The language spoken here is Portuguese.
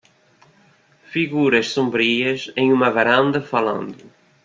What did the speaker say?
Figuras sombrias em uma varanda falando.